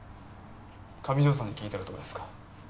上條さんに聞いたらどうですか？